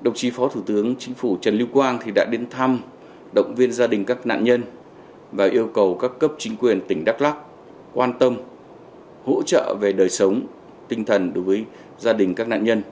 đồng chí phó thủ tướng chính phủ trần lưu quang đã đến thăm động viên gia đình các nạn nhân và yêu cầu các cấp chính quyền tỉnh đắk lắc quan tâm hỗ trợ về đời sống tinh thần đối với gia đình các nạn nhân